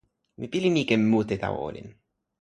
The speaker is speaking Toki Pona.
mi pilin ike mute tawa olin.